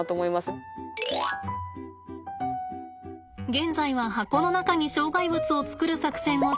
現在は箱の中に障害物を作る作戦を遂行中です。